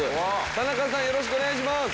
田中さんよろしくお願いします。